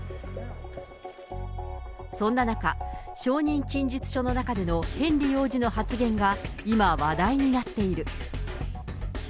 そんな中、証人陳述書の中でのヘンリー王子の発言が今、話題になっている。